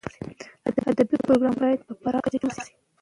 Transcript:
ادبي پروګرامونه باید په پراخه کچه جوړ شي.